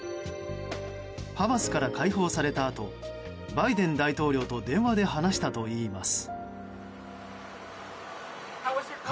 ハマスから解放されたあとバイデン大統領と電話で話したといいます。